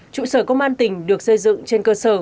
trụ sở công an tỉnh được xây dựng trên cơ sở